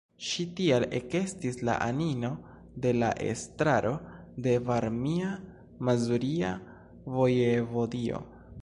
Ŝi tial ekestis la anino de la Estraro de Varmia-Mazuria Vojevodio.